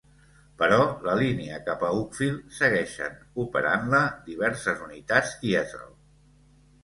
Però la línia cap a Uckfield segueixen operant-la diverses unitats dièsel.